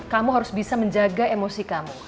kamu harus bisa menjaga emosi kamu